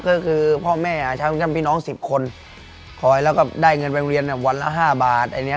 ก็คือพ่อแม่ช่างพี่น้องสิบคนคอยแล้วก็ได้เงินไปโรงเรียนวันละ๕บาทอันนี้